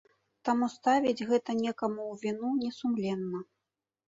Таму ставіць гэта некаму ў віну несумленна.